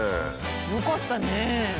よかったね。